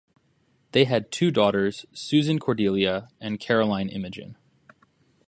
They had two daughters Susan Cordelia and Caroline Imogen.